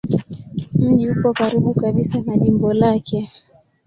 Mji upo karibu kabisa na jimbo lake.